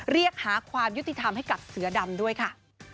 เรียกหาความยุติธรรมให้กับเสือดำด้วยค่ะ